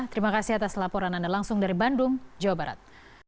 terima kasih atas laporan anda langsung dari bandung jawa barat